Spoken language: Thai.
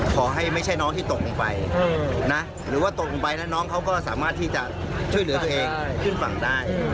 ขอให้ไม่ใช่น้องที่ตกลงไปนะหรือว่าตกลงไปแล้วน้องเขาก็สามารถที่จะช่วยเหลือตัวเองขึ้นฝั่งได้